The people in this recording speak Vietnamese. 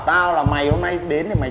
đưa mày như thế nào